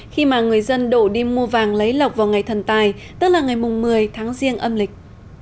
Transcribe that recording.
khi mà người dân đổ đi mua vàng lấy lọc vào ngày thần tài tức là ngày một mươi tháng riêng âm lịch